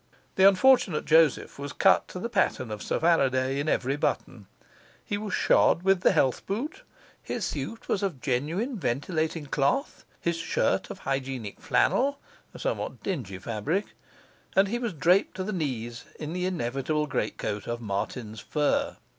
The unfortunate Joseph was cut to the pattern of Sir Faraday in every button; he was shod with the health boot; his suit was of genuine ventilating cloth; his shirt of hygienic flannel, a somewhat dingy fabric; and he was draped to the knees in the inevitable greatcoat of marten's fur.